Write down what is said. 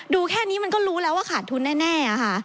แค่นี้มันก็รู้แล้วว่าขาดทุนแน่ค่ะ